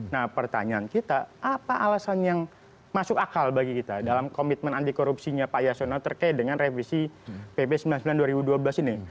nah pertanyaan kita apa alasan yang masuk akal bagi kita dalam komitmen anti korupsinya pak yasona terkait dengan revisi pp sembilan puluh sembilan dua ribu dua belas ini